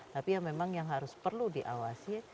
tapi ya memang yang harus perlu diawasi